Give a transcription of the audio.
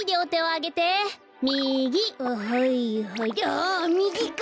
あみぎか！